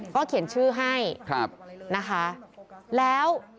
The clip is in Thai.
ก็เขียนชื่อให้นะคะแล้ว